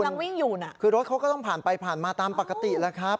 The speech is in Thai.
วิ่งอยู่น่ะคือรถเขาก็ต้องผ่านไปผ่านมาตามปกติแล้วครับ